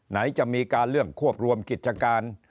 ไหนจะมีการเรื่องควบรวมกิจการ